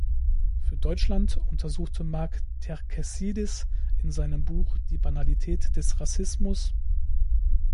Für Deutschland untersuchte Mark Terkessidis in seinem Buch "Die Banalität des Rassismus.